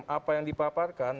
apa yang dipaparkan